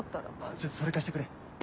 ちょっとそれ貸してくれ。